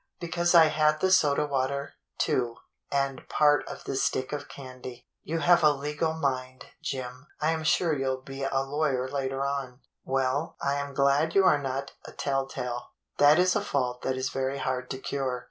" "Because I had the soda water, too, and part of the stick of candy." "You have a legal mind, Jim. I am sure you'll be 124 THE BLUE AUNT a lawj^er later on. Well, I am glad you are not a tell tale. That is a fault that is very hard to cure.